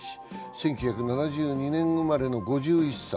１９７２年生まれの５１歳。